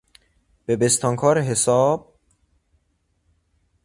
به بستانکار حساب...